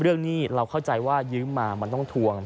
เรื่องเนี้ยเราเข้าใจว่ายื้อมามันต้องทวง